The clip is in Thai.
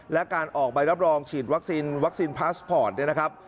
และการออกใบรับรองฉีดวัคซีนวัคซีนพาสปอร์ตเนี่ยนะครับ